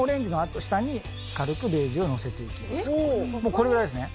これぐらいですね。